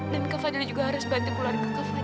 namun kak fadil juga harus bantu keluarga kak fadil